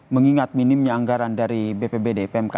mengingat minimnya anggaran dari bpbd pmk